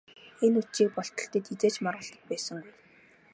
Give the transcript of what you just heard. Энэ үдшийг болтол тэд хэзээ ч маргалдаж байсангүй.